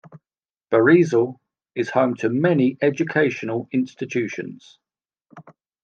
Barisal is home to many educational institutions.